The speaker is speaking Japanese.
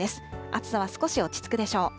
暑さは少し落ち着くでしょう。